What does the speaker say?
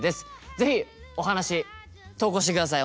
是非お話投稿してください。